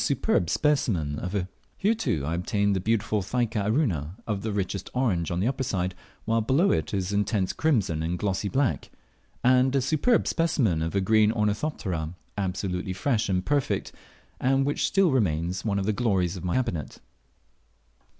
Here, too, I obtained the beautiful Thyca aruna, of the richest orange on the upper side; while below it is intense crimson and glossy black; and a superb specimen of a green Ornithoptera, absolutely fresh and perfect, and which still remains one of the glories of my cabinet.